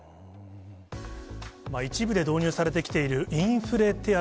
一部で導入されてきているインフレ手当。